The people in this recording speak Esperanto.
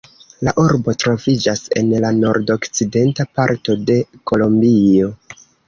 La urbo troviĝas en la nordokcidenta parto de Kolombio.